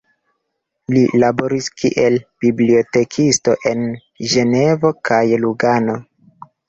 Li laboris kiel bibliotekisto en Ĝenevo kaj Lugano.